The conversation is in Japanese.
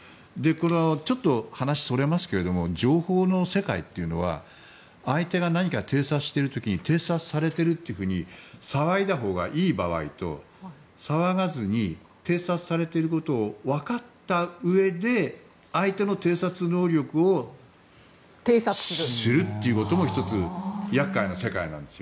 ちょっと話それますが情報の世界というのは相手が何か偵察している時に偵察されていると騒いだほうがいい場合と騒がずに偵察されていることをわかったうえで相手の偵察能力を知るということも１つ、厄介な世界なんですよ。